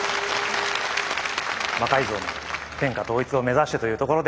魔改造の天下統一を目指してというところで。